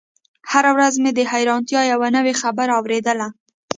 هره ورځ مې د حيرانتيا يوه نوې خبره اورېدله.